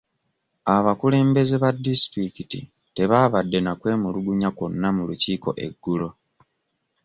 Abakulembeze ba diisitulikiti tebaabadde na kwemulugunya kwonna mu lukiiko eggulo .